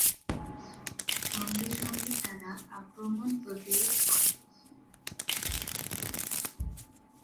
সঙ্গে সঙ্গে তারা আক্রমণ প্রতিরোধ করে।